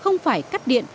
không phải cắt điện